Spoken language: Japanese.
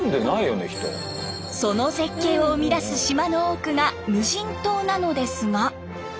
その絶景を生み出す島の多くが無人島なのですが。